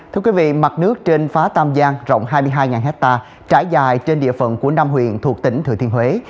thưa quý vị mặt nước trên phá tam giang rộng hai mươi hai hecta trải dài trên địa phận của nam huyền thuộc tỉnh thừa thiên huế